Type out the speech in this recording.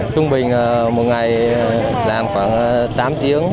trung bình một ngày làm khoảng tám tiếng